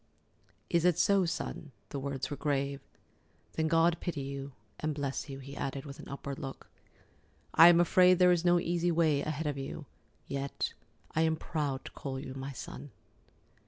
"Is it so, Son?"—the words were grave. "Then God pity you—and bless you," he added, with an upward look. "I am afraid there is no easy way ahead of you. Yet I am proud to call you my son."